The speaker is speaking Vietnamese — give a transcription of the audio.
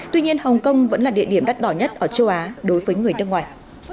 tuy nhiên hồng kông vẫn là địa điểm đắt đỏ nhất ở châu á đối với người nước ngoài